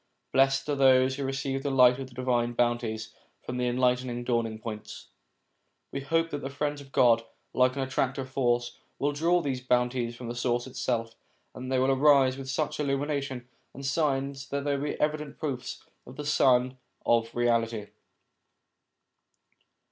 Blessed are those who receive the light of the divine bounties from the enlightened Dawning points ! We hope that the Friends of God, like an attractive force, will draw these bounties from the source itself, and that they will arise with such illumination and signs that they will be evident proofs of the Sun of Reality.